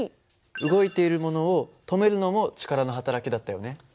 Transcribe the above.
動いているものを止めるのも力のはたらきだったよね。